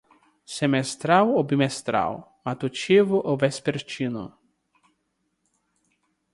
Semestral ou bimestral? Matutino ou vespertino?